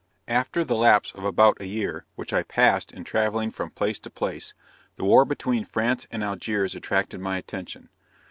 "After the lapse of about a year, which I passed in travelling from place to place, the war between France and Algiers attracted my attention.